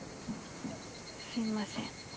すみません。